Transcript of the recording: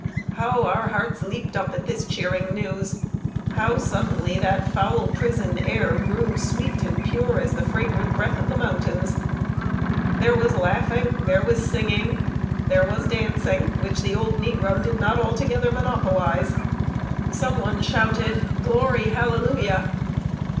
How our hearts leaped up at this cheering news! How suddenly that foul prison air grew sweet and pure as the fragrant breath of the mountains! There was laughing, there was singing, there was dancing, which the old negro did not altogether monopolize. Some one shouted, "Glory, hallelujah!"